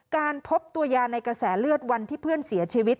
การพบตัวยาในกระแสเลือดวันที่เพื่อนเสียชีวิต